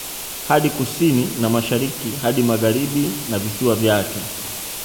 Hadi Kusini na Mashariki hadi Magharibi na visiwa vyake